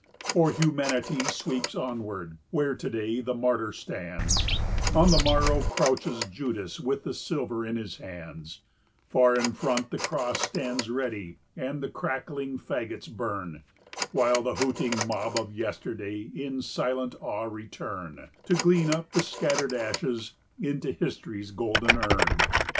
65 For Humanity sweeps onward: where to day the martyr stands, On the morrow crouches Judas with the silver in his hands; Far in front the cross stands ready and the crackling fagots burn, While the hooting mob of yesterday in silent awe return To glean up the scattered ashes into History's golden urn.